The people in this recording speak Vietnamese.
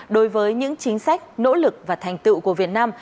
đối với những chính sách nỗ lực và thành tựu của việt nam